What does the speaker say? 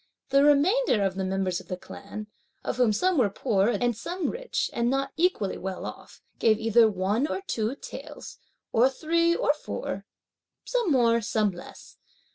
The remainder of the members of the clan, of whom some were poor and some rich, and not equally well off, gave either one or two taels, or three or four, some more, some less.